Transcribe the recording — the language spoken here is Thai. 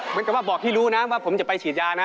เหมือนกับว่าบอกพี่รู้นะว่าผมจะไปฉีดยานะ